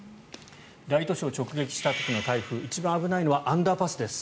大都市を直撃した時の台風一番危ないのはアンダーパスです。